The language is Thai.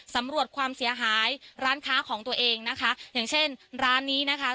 สำรวจความเสียหายร้านค้าของตัวเองนะคะอย่างเช่นร้านนี้นะคะ